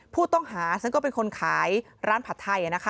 ผู้ต้องหาซึ่งก็เป็นคนขายร้านผัดไทย